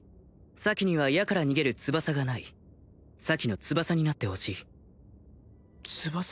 咲には矢から逃げる翼がない咲の翼になってほしい翼？